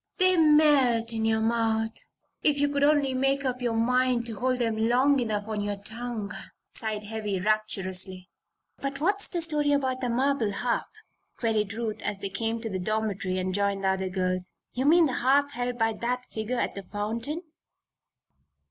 They'd melt in your mouth if you could only make up your mind to hold them long enough on your tongue," sighed Heavy, rapturously. "But what's the story about the marble harp?" queried Ruth, as they came to the dormitory and joined the other girls. "You mean the harp held by that figure at the fountain?"